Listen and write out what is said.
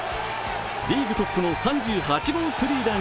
リーグトップの３８号スリーラン。